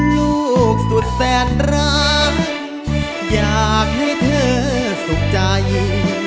ลูกสุดแสนรักอยากให้เธอสุขใจ